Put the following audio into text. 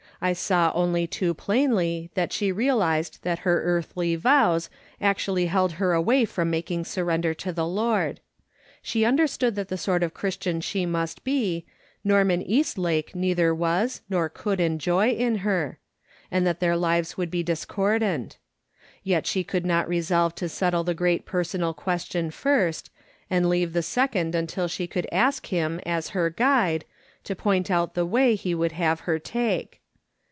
I saw only too .plainly that she realised that her earthly vows actually held her away from making surrender to the Lord. She understood that the sort of Christian she must be, Norman Eastlake neither was, nor would enjoy in her; and that their lives would be discord ant. Yet she could not resolve to settle the great personal question first, and leave the second until she could ask Him, as her guide, to point out the ''DELIVERANCE:* %\l way he would have her take.